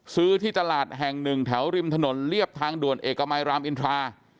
ซื้อที่ตลาดแห่งหนึ่งแถวริมถนนเรียบทางด่วนเอกมัยรามอินทรา